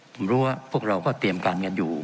ผมรู้ว่าพวกเราก็เตรียมการกันอยู่